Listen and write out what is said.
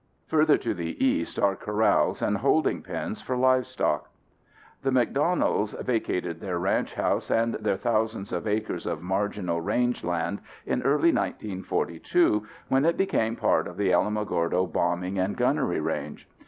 Further to the east are corrals and holding pens for livestock. The McDonalds vacated their ranch house and their thousands of acres of marginal range land in early 1942 when it became part of the Alamogordo Bombing and Gunnery Range.